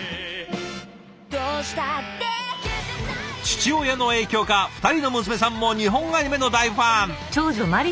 父親の影響か２人の娘さんも日本アニメの大ファン。